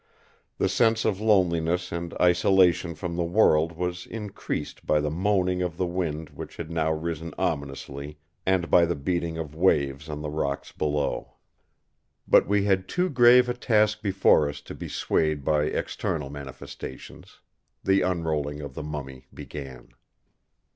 The sense of loneliness and isolation from the world was increased by the moaning of the wind which had now risen ominously, and by the beating of waves on the rocks below. But we had too grave a task before us to be swayed by external manifestations: the unrolling of the mummy began.